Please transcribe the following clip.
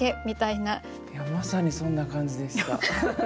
いやまさにそんな感じでした。